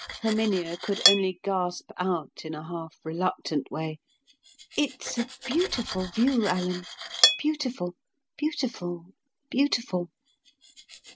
Herminia could only gasp out in a half reluctant way, "It's a beautiful view, Alan. Beautiful; beautiful; beautiful!"